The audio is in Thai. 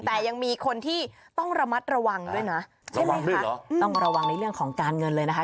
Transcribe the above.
แต่ยังมีคนที่ต้องระมัดระวังด้วยนะใช่ไหมคะต้องระวังในเรื่องของการเงินเลยนะคะ